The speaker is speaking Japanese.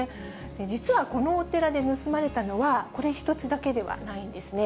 実はこのお寺で盗まれたのは、これ一つだけではないんですね。